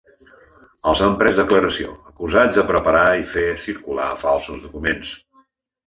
Els han pres declaració, acusats de preparar i fer circular falsos documents.